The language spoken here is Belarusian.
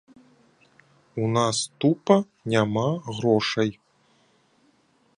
У нас тупа няма грошай.